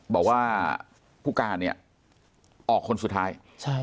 บอกว่าผู้การเนี่ยออกคนสุดท้าย